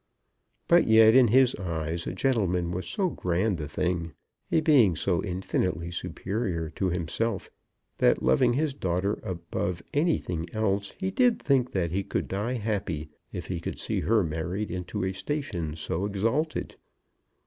But yet in his eyes a gentleman was so grand a thing, a being so infinitely superior to himself, that, loving his daughter above anything else, he did think that he could die happy if he could see her married into a station so exalted.